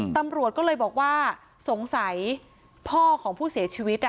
ตำรวจก็เลยบอกว่าสงสัยพ่อของผู้เสียชีวิต